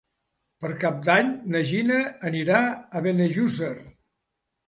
Per Cap d'Any na Gina anirà a Benejússer.